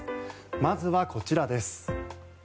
まずはこちらです。